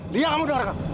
lia kamu dengar gak